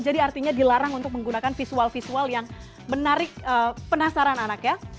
jadi artinya dilarang untuk menggunakan visual visual yang menarik penasaran anak ya